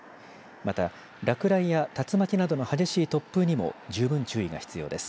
また落雷や竜巻などの激しい突風にも十分注意が必要です。